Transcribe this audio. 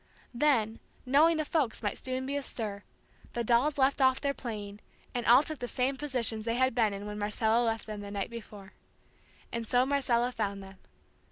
Then, knowing the folks might soon be astir, the dolls left off their playing, and all took the same positions they had been in when Marcella left them the night before. And so Marcella found them.